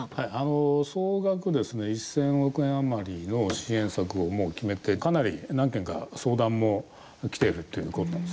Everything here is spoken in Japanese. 総額１０００億円余りの支援策を、もう決めてかなり何件か相談もきているということなんですね。